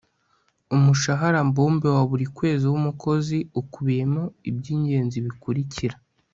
umushahara mbumbe wa buri kwezi w'umukozi ukubiyemo iby'ingenzi bikurikira